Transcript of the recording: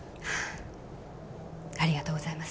ありがとうございます。